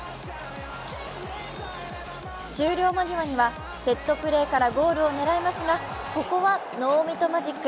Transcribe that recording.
終了間際にはセットプレーからゴールを狙いますが、ここはノーミトマジック。